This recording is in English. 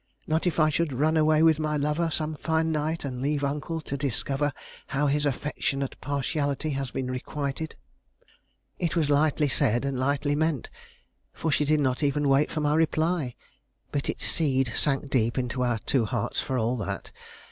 Not if I should run away with my lover some fine night, and leave uncle to discover how his affectionate partiality had been requited?" It was lightly said, and lightly meant, for she did not even wait for my reply. But its seed sank deep into our two hearts for all that.